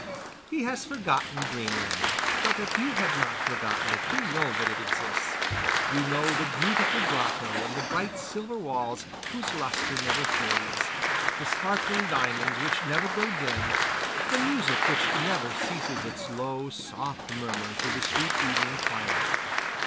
He has forgotten Dreamland. But you have not forgotten it; you know that it exists. You know the beautiful grotto and the bright silver walls whose lustre never fades, the sparkling diamonds which never grow dim, the music which never ceases its low, soft murmur through the sweet evening twilight.